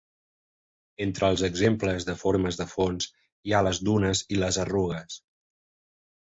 Entre els exemples de formes de fons hi ha les dunes i les arrugues.